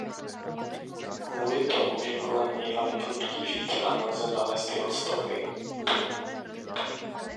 Kvůli tomu že kolem něj vane prudký vítr a nelze nalézt jeho stopy.